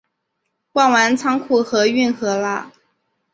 逛完仓库和运河了